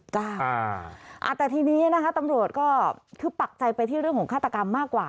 แต่ทีนี้นะคะตำรวจก็คือปักใจไปที่เรื่องของฆาตกรรมมากกว่า